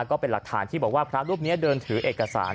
ก็เป็นหลักฐานที่บอกว่าพระรูปนี้เดินถือเอกสาร